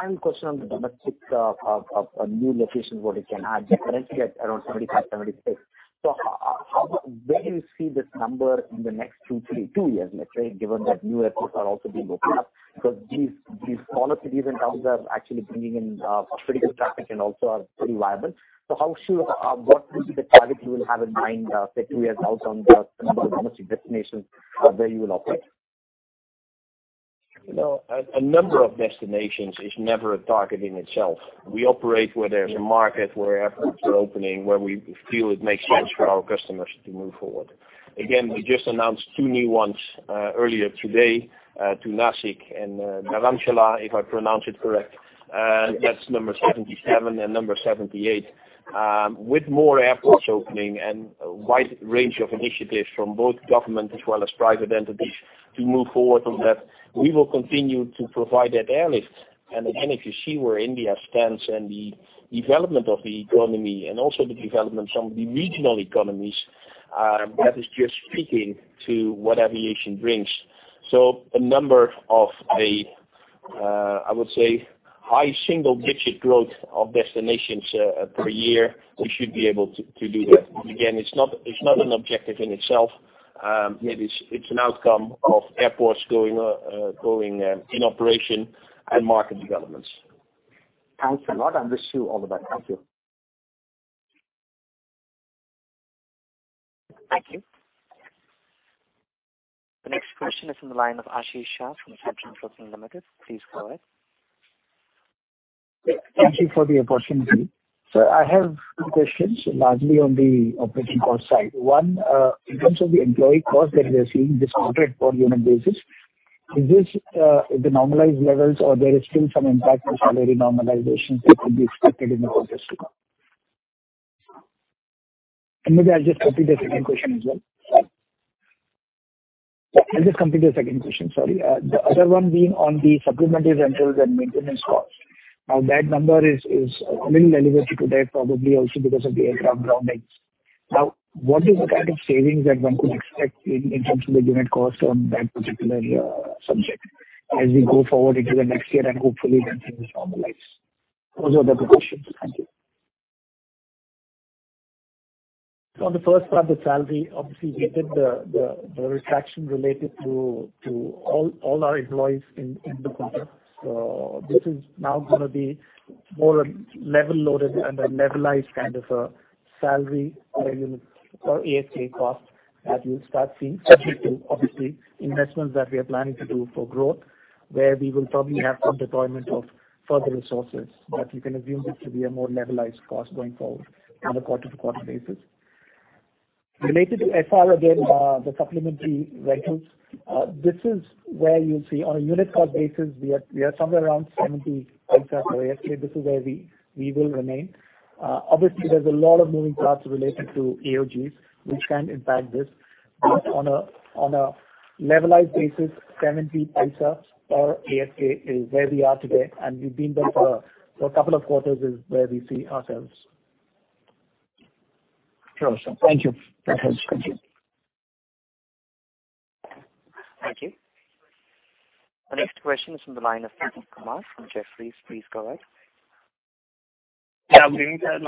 Final question on the domestic of new locations where we can add differently at around 75, 76. How about where do you see this number in the next two, three, two years let's say, given that new airports are also being opened up? Because these smaller cities and towns are actually bringing in pretty good traffic and also are pretty viable. How should what will be the target you will have in mind, say two years out on the number of domestic destinations, where you will operate? You know, a number of destinations is never a target in itself. We operate where there's a market, where airports are opening, where we feel it makes sense for our customers to move forward. Again, we just announced 2 new ones, earlier today, to Nashik and Dharamshala, if I pronounce it correct. That's number 77 and number 78. With more airports opening and a wide range of initiatives from both government as well as private entities to move forward on that. We will continue to provide that airlift. Again, if you see where India stands and the development of the economy and also the development of some of the regional economies, that is just speaking to what aviation brings. A number of a, I would say high single-digit growth of destinations per year, we should be able to do that. Again, it's not, it's not an objective in itself. Maybe it's an outcome of airports going in operation and market developments. Thanks a lot. I wish you all the best. Thank you. Thank you. The next question is from the line of Ashish Shah from Centrum Broking Limited. Please go ahead. Thank you for the opportunity. I have two questions, largely on the operating cost side. One, in terms of the employee cost that we are seeing discounted per unit basis, is this the normalized levels or there is still some impact on salary normalization that could be expected in the quarters to come? Maybe I'll just complete the second question as well. I'll just complete the second question, sorry. The other one being on the Supplemental Rent and maintenance costs. That number is a little elevated today, probably also because of the aircraft groundings. What is the kind of savings that one could expect in terms of the unit costs on that particular subject as we go forward into the next year and hopefully when things normalize? Those are the two questions. Thank you. On the first part, the salary, obviously we did the retraction related to all our employees in the quarter. This is now going to be more level loaded and a levelized kind of a salary per unit or ASK cost that you'll start seeing, subject to obviously investments that we are planning to do for growth, where we will probably have some deployment of further resources. You can assume it to be a more levelized cost going forward on a quarter-to-quarter basis. Related to FR, again, the Supplementary Rentals, this is where you'll see on a unit cost basis, we are somewhere around 0.70 per ASK. This is where we will remain. Obviously there's a lot of moving parts related to AOGs which can impact this. On a levelized basis, 70 paise per ASK is where we are today, and we've been there for a couple of quarters is where we see ourselves. Sure. Thank you. That helps. Thank you. Thank you. The next question is from the line of Prateek Kumar from Jefferies. Please go ahead. Yeah. Good evening, sir.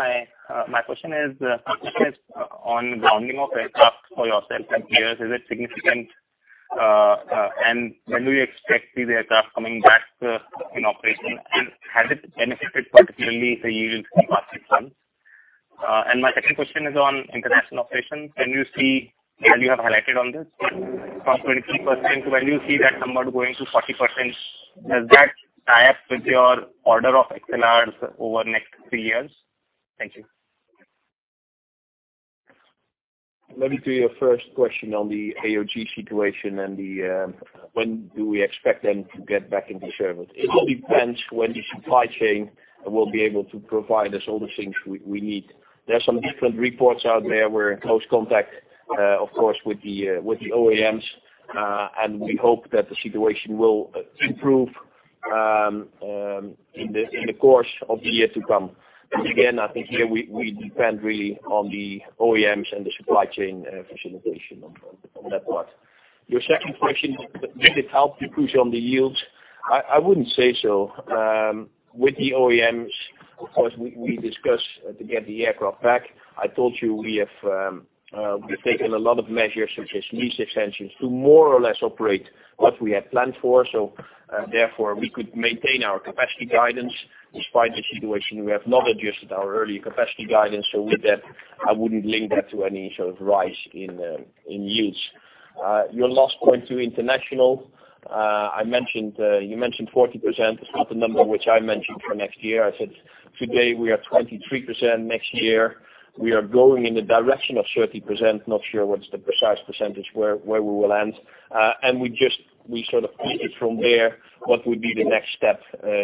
My question is on grounding of aircraft for yourself and peers, is it significant? When do you expect the aircraft coming back in operation? Has it benefited particularly the yields in the past 6 months? My second question is on international operations. Where you have highlighted on this, from 23%, when you see that number going to 40%, does that tie up with your order of XLRs over the next 3 years? Thank you. Let me do your first question on the AOG situation and the, when do we expect them to get back into service. It all depends when the supply chain will be able to provide us all the things we need. There are some different reports out there. We're in close contact, of course, with the OEMs, and we hope that the situation will improve in the course of the year to come. Again, I think here we depend really on the OEMs and the supply chain facilitation on that part. Your second question, did it help you push on the yields? I wouldn't say so. With the OEMs, of course, we discussed to get the aircraft back. I told you we have, we've taken a lot of measures such as lease extensions to more or less operate what we had planned for. Therefore, we could maintain our capacity guidance despite the situation. We have not adjusted our early capacity guidance. With that, I wouldn't link that to any sort of rise in yields. Your last point to international, I mentioned, you mentioned 40%. It's not the number which I mentioned for next year. I said today we are 23%. Next year we are going in the direction of 30%. Not sure what's the precise percentage where we will end. We just, we sort of see it from there, what would be the next step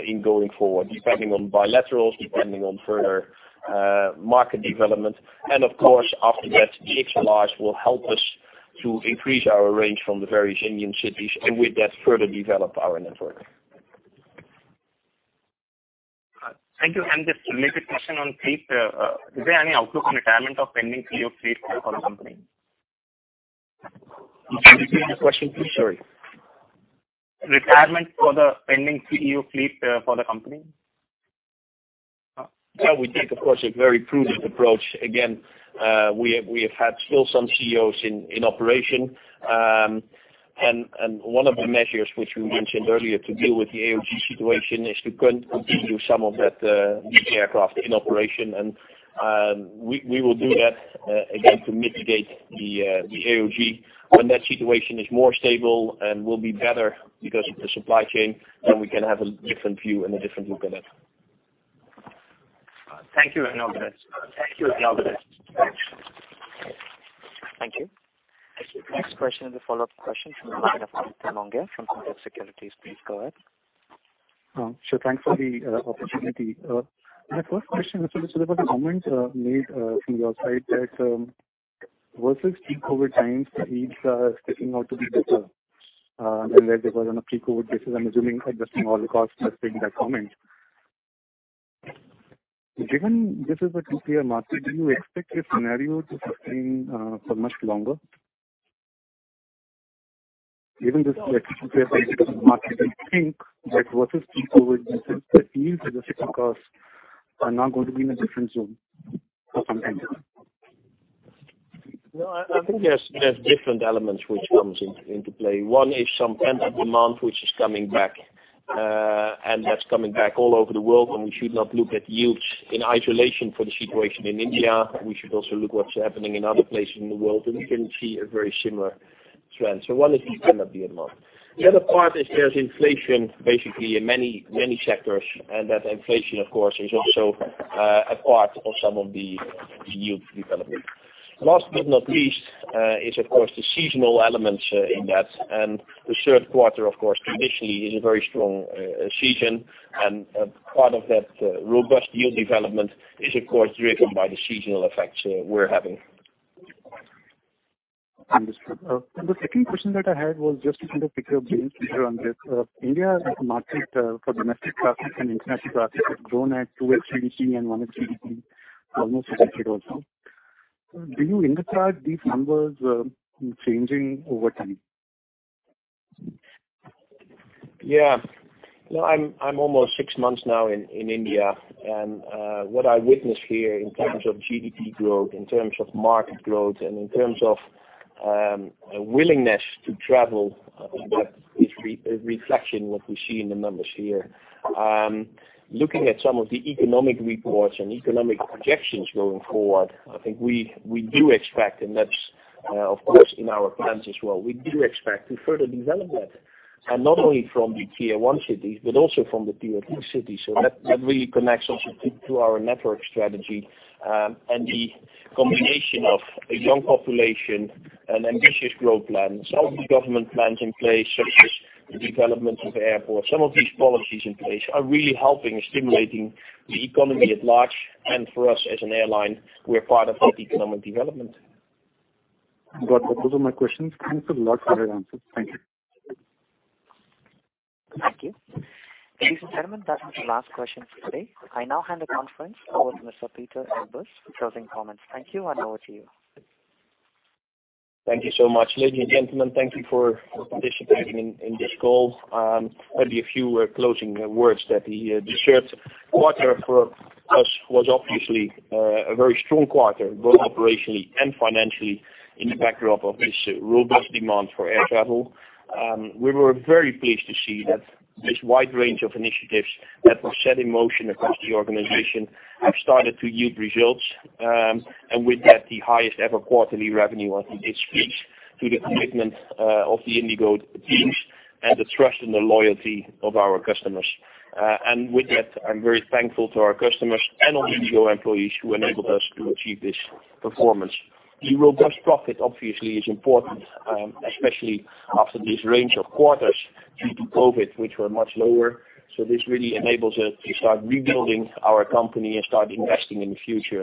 in going forward, depending on bilaterals, depending on further market development. Of course, after that, the XLRs will help us to increase our range from the various Indian cities and with that, further develop our network. Thank you. Just a related question on fleet. Is there any outlook on retirement of pending A320ceo fleet for the company? Can you repeat the question please? Sorry. Retirement for the pending A320ceo fleet, for the company. Well, we take, of course, a very prudent approach. Again, we have had still some A320ceos in operation. One of the measures which we mentioned earlier to deal with the AOG situation is to continue some of that, these aircraft in operation. We will do that again, to mitigate the AOG. When that situation is more stable and will be better because of the supply chain, then we can have a different view and a different look at it. Thank you. I'll get it. Thanks. Thank you. The next question is a follow-up question from the line of Amit Monga from Kotak Securities. Please go ahead. Sure. Thanks for the opportunity. My first question is just about the comments made from your side that versus pre-COVID times, the yields are sticking out to be better than where they were on a pre-COVID basis. I'm assuming adjusting all the costs that's in that comment. Given this is a Duopoly market, do you expect this scenario to sustain for much longer? Given this, like, Duopoly-based market, do you think that versus pre-COVID, the yields and the stick costs are now going to be in a different zone for some time? I think there's different elements which comes into play. One is some pent-up demand which is coming back, and that's coming back all over the world, and we should not look at yields in isolation for the situation in India. We should also look what's happening in other places in the world, we can see a very similar trend. One is the pent-up demand. The other part is there's inflation basically in many sectors, that inflation, of course, is also a part of some of the yield development. Last but not least, is of course the seasonal elements in that. The third quarter, of course, traditionally is a very strong season. Part of that robust yield development is, of course, driven by the seasonal effects we're having. Understood. The second question that I had was just to kind of pick your brain further on this. India as a market, for domestic traffic and international traffic has grown at 2x GDP and 1x GDP almost for decades now. Do you anticipate these numbers changing over time? Yeah. No, I'm six months now in India and what I witness here in terms of GDP growth, in terms of market growth, and in terms of a willingness to travel, that is a reflection what we see in the numbers here. Looking at some of the economic reports and economic projections going forward, I think we do expect, and that's of course, in our plans as well, we do expect to further develop that. Not only from the Tier 1 cities, but also from the Tier 2 cities. That really connects also to our network strategy. The combination of a young population and ambitious growth plans, some of the government plans in place, such as the development of airports, some of these policies in place are really helping and stimulating the economy at large. For us as an airline, we're part of that economic development. Got that. Those are my questions. Thanks a lot for your answers. Thank you. Thank you. Ladies and gentlemen, that was the last question for today. I now hand the conference over to Mr. Pieter Elbers for closing comments. Thank you, and over to you. Thank you so much. Ladies and gentlemen, thank you for participating in this call. Maybe a few closing words that the third quarter for us was obviously a very strong quarter, both operationally and financially in the backdrop of this robust demand for air travel. We were very pleased to see that this wide range of initiatives that were set in motion across the organization have started to yield results. With that, the highest ever quarterly revenue, I think it speaks to the commitment of the IndiGo teams and the trust and the loyalty of our customers. With that, I'm very thankful to our customers and all IndiGo employees who enabled us to achieve this performance. The robust profit obviously is important, especially after this range of quarters due to COVID, which were much lower. This really enables us to start rebuilding our company and start investing in the future.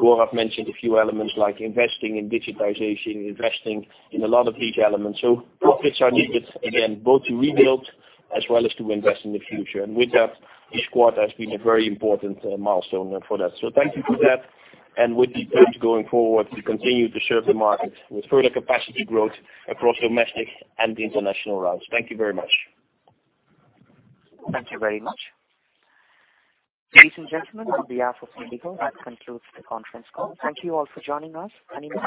Gaurav mentioned a few elements like investing in digitization, investing in a lot of these elements. Profits are needed again, both to rebuild as well as to invest in the future. With that, this quarter has been a very important milestone for that. Thank you for that, and we'll be pleased going forward to continue to serve the market with further capacity growth across domestic and the international routes. Thank you very much. Thank you very much. Ladies and gentlemen, on behalf of IndiGo, that concludes the conference call. Thank you all for joining us, and you may disconnect now.